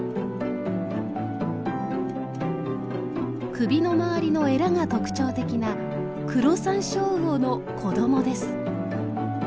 首の周りのえらが特徴的なクロサンショウウオの子どもです。